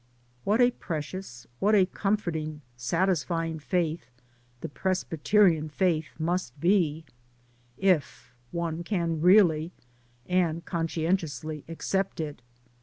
What a precious, what a comforting, sat DAYS ON THE ROAD. 51 isfying faith the Presbyterian faith must be, if one can really and conscientiously accept it.